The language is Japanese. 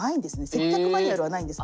接客マニュアルはないんです。